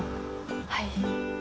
はい。